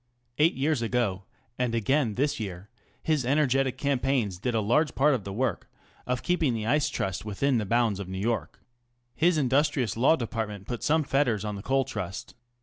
Eight years ago, and again this year, his energetic campaigns did a large part of the work of keeping the Ice Trust within bounds in New York. His industrious Law Department put some fetters on the Coal Trust.